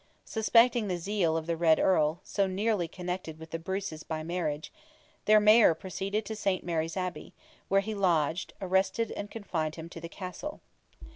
Suspecting the zeal of the Red Earl, so nearly connected with the Bruces by marriage, their Mayor proceeded to Saint Mary's abbey, where he lodged, arrested and confined him to the castle.